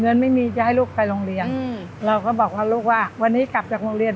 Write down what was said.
ไม่มีจะให้ลูกไปโรงเรียนเราก็บอกว่าลูกว่าวันนี้กลับจากโรงเรียน